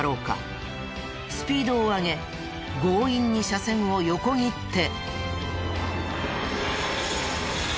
スピードを上げ強引に車線を横切って。